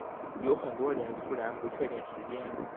有很多人突然不确定时间